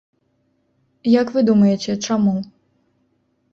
Як вы думаеце, чаму?